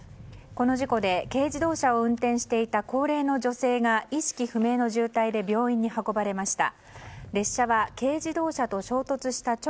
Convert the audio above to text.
この事故で軽自動車を運転していた高齢の女性が意識不明の重体で病院に運ばれました。